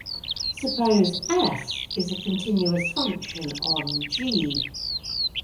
Suppose "f" is a continuous function on "G".